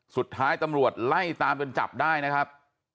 สุดท้ายตำรวจไล่ตามจนจับได้นะครับ